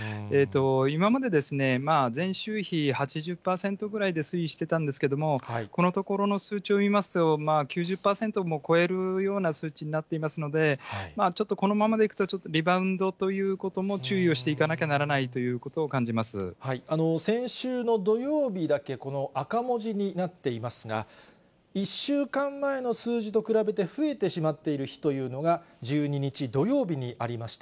今まで前週比８０％くらいで推移してたんですけれども、このところの数値を見ますと、９０％も超えるような数値になっていますので、ちょっとこのままでいくと、ちょっとリバウンドということも注意をしていかなきゃならないと先週の土曜日だけこの赤文字になっていますが、１週間前の数字と比べて増えてしまっている日というのが１２日土曜日にありました。